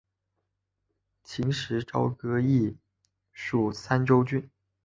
秦时朝歌邑属三川郡。